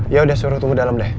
ya udah suruh tunggu dalam deh